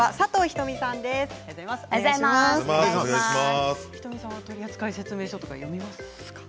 仁美さんは取扱説明書とか読みますか？